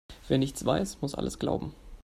Wer nichts weiß, muss alles glauben.